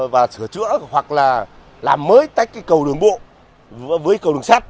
và sửa chữa hoặc là làm mới tách cây cầu đường bộ với cầu đường sắt